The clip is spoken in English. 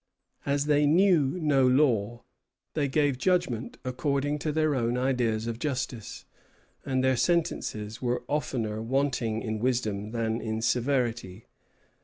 As they knew no law, they gave judgment according to their own ideas of justice, and their sentences were oftener wanting in wisdom than in severity.